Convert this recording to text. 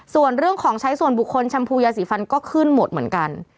ส่วนเรื่องของใช้ส่วนบุคคลชมพูยาสีฟันก็ขึ้นหมดเหมือนกัน